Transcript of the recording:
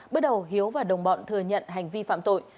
bước đầu hiếu và đồng bọn thừa nhận hành vi phạm tội